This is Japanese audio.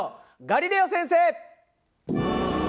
ガリレオ先生！